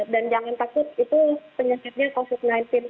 dan jangan takut itu penyakitnya covid sembilan belas